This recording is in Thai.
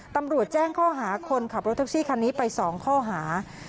ตำรวจแจ้งข้อหาคนขับรถแท็กซี่คันนี้ไป๒ข้อหา